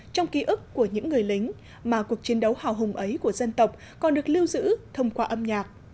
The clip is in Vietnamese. trong ký ức của những người lính mà cuộc chiến đấu hào hùng ấy của dân tộc còn được lưu giữ thông qua âm nhạc